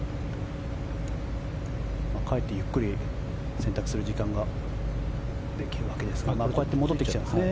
かえってゆっくり選択する時間ができるわけですがこうやって戻ってきちゃいますね。